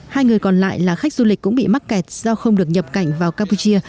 hai người còn lại là khách du lịch cũng bị mắc kẹt do không được nhập cảnh vào campuchia